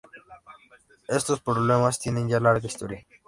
Estos problemas tienen ya larga historia.